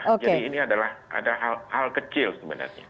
jadi ini adalah hal kecil sebenarnya